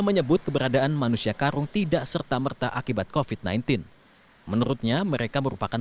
menyebut keberadaan manusia karung tidak serta merta akibat kofit sembilan belas menurutnya mereka merupakan